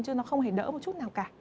chứ nó không hề đỡ một chút